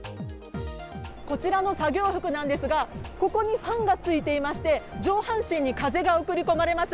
こちらの作業服なんですが、ここにファンがついていまして、上半身に風が送り込まれます。